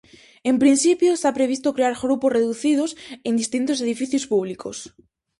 En principio está previsto crear grupos reducidos en distintos edificios públicos.